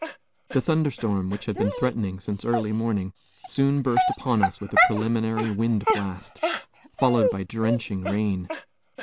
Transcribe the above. The thunder storm which had been threatening since early morning, soon burst upon us with a preliminary wind blast, followed by drenching rain.